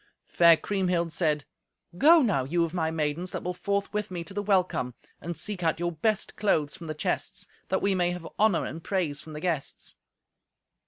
Fair Kriemhild said, "Go now, you of my maidens that will forth with me to the welcome, and seek out your best clothes from the chests, that we may have honour and praise from the guests."